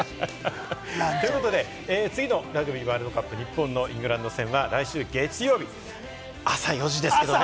次のラグビーワールドカップ、日本のイングランド戦は来週月曜日、朝４時ですけれどもね。